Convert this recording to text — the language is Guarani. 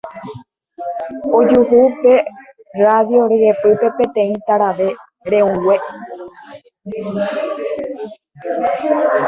Ojuhu pe radio ryepýpe peteĩ tarave re'õngue.